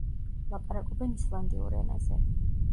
ლაპარაკობენ ისლანდიურ ენაზე.